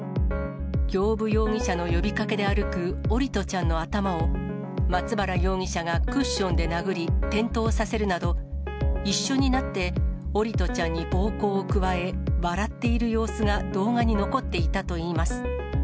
行歩容疑者の呼びかけで歩く桜利斗ちゃんの頭を、松原容疑者がクッションで殴り、転倒させるなど、一緒になって、桜利斗ちゃんに暴行を加え、笑っている様子が動画に残っていたといいます。